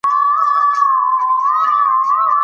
پکتیکا د افغانستان د اقتصادي منابعو ارزښت زیاتوي.